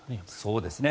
そうですね。